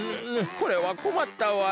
これはこまったわい。